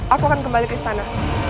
aku akan kembali ke istana